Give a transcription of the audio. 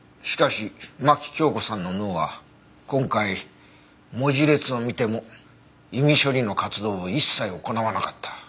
しかし牧京子さんの脳は今回文字列を見ても意味処理の活動を一切行わなかった。